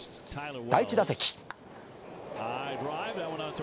第１打席。